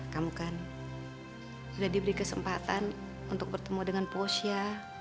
kamu kan sudah diberi kesempatan untuk bertemu dengan puasya